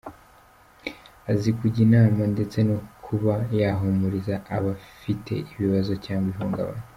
Azi kujya inama ndetse no kuba yahumuriza abafite ibibazo cyangwa ihungabana.